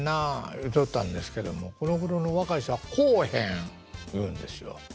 言うとったんですけどもこのごろの若い人は「来おへん」言うんですよ。